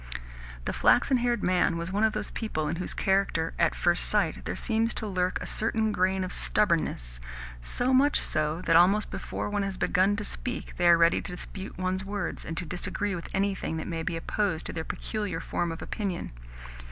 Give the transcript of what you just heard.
The flaxen haired man was one of those people in whose character, at first sight, there seems to lurk a certain grain of stubbornness so much so that, almost before one has begun to speak, they are ready to dispute one's words, and to disagree with anything that may be opposed to their peculiar form of opinion.